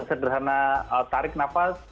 sederhana tarik nafas